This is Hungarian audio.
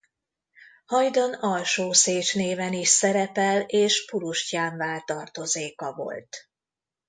Hajdan Alsó Szécs néven is szerepel és Purustyán-vár tartozéka volt.